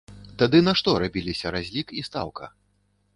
Тады на што рабіліся разлік і стаўка?